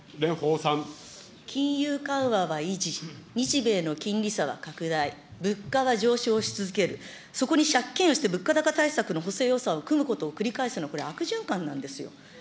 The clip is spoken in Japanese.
金融緩和は維持、日米の金利差は拡大、物価は上昇し続ける、そこに借金をして物価高対策の補正予算を組むことを繰り返すの、これ、悪循環なんですよ。